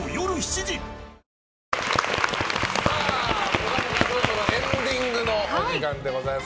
「ぽかぽか」、そろそろエンディングのお時間です。